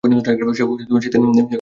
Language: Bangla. সেও সেদিন সার্কাস দেখতে গিয়েছিল।